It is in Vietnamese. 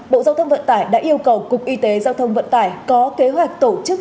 bộ giao thông vận tải đã yêu cầu cục y tế giao thông vận tải có kế hoạch tổ chức